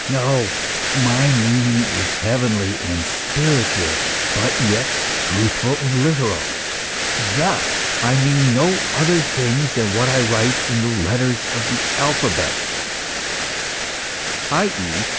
No : my meaning is heavenly and spiritual, but yet truthful and literal ; thus, I mean no other things than what I write in the letters of the alphabet ;" i.e.